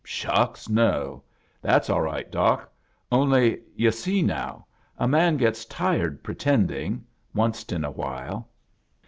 "Shucks, no! That's all right. Doc Only — yu* see now. A man gets tired pretending — onced in a while."